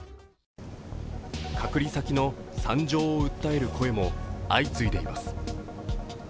隔離先の惨状を訴える声も相次いでいます。